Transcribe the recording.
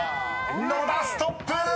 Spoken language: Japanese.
野田ストップ！］